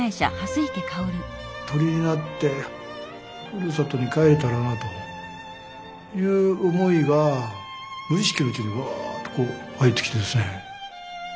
鳥になってふるさとに帰れたらなという思いが無意識のうちにわっとこう湧いてきてですね。